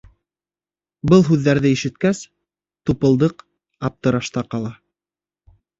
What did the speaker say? Был һүҙҙәрҙе ишеткәс, Тупылдыҡ аптырашта ҡала: